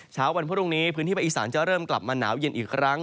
เช้าวันพรุ่งนี้พื้นที่ภาคอีสานจะเริ่มกลับมาหนาวเย็นอีกครั้ง